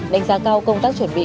đánh giá cao công tác chuẩn bị